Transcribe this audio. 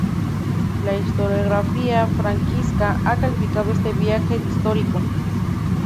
La historiografía franquista ha calificado este viaje de "histórico".